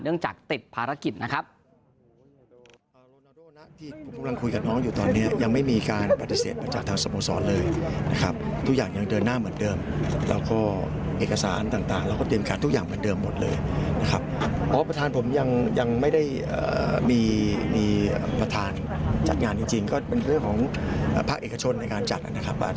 เพื่อร่วมงานเนื่องจากติดภารกิจนะครับ